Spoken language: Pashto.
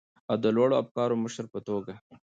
او د لوړو افکارو مشر په توګه،